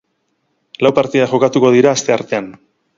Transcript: Lau partida jokatuko dira asteartean.